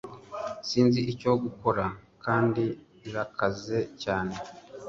Sinzi icyo gukora kandi birakaze cyane